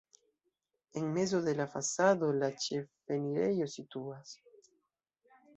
En mezo de la fasado la ĉefenirejo situas.